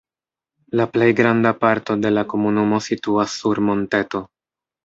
La plej granda parto de la komunumo situas sur monteto.